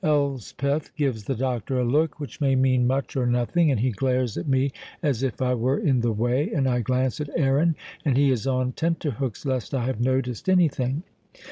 Elspeth gives the doctor a look which may mean much or nothing, and he glares at me as if I were in the way, and I glance at Aaron, and he is on tenterhooks lest I have noticed anything.